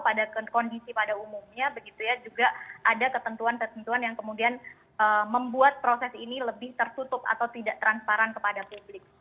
pada kondisi pada umumnya begitu ya juga ada ketentuan ketentuan yang kemudian membuat proses ini lebih tertutup atau tidak transparan kepada publik